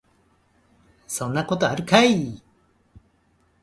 そんなことあるかい